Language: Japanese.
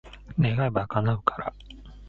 願えば、叶うから。